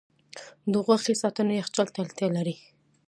د غوښې ساتنه یخچال ته اړتیا لري.